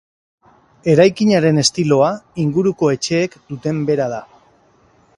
Eraikinaren estiloa inguruko etxeek duten bera da.